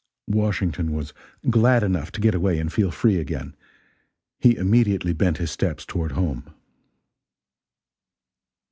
Washington was glad enough to get away and feel free again. He immediately bent his steps toward home.